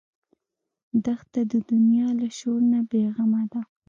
دښته د دنیا له شور نه بېغمه ده.